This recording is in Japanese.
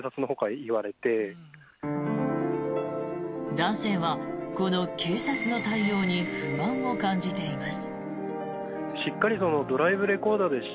男性は、この警察の対応に不満を感じています。